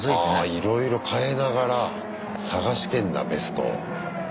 ああいろいろ変えながら探してんだベストを。